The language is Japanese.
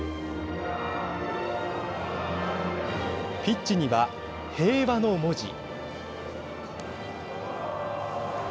ピッチには平和の文字。